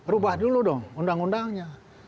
rubah dulu dong undang undangnya